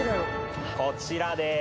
こちらでーす。